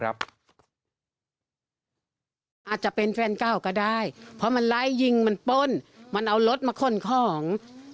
อาจจะเป็นแฟนเก่าก็ได้เพราะมันไล่ยิงมันป้นมันเอารถมาขนของ